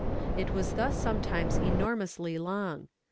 It was thus sometimes enormously long.